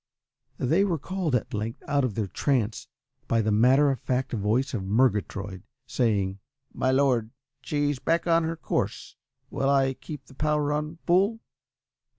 They were called at length out of their trance by the matter of fact voice of Murgatroyd saying "My Lord, she's back to her course. Will I keep the power on full?"